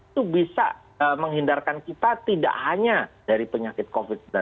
itu bisa menghindarkan kita tidak hanya dari penyakit covid sembilan belas